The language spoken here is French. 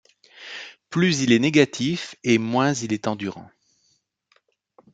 Plus il est négatif et moins il est endurant.